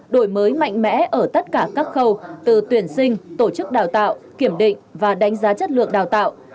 đổi mới mạnh mẽ ở tất cả các khâu từ tuyển sinh tổ chức đào tạo kiểm định và đánh giá chất lượng đào tạo